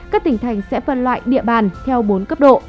các tỉnh thành sẽ phân loại địa bàn theo bốn cấp độ